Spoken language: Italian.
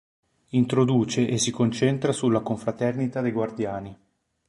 Introduce e si concentra sulla Confraternita dei Guardiani.